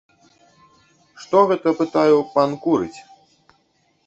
Што гэта, пытаю, пан курыць?